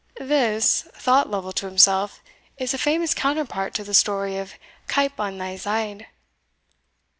"This," thought Lovel to himself, "is a famous counterpart to the story of Keip on this syde."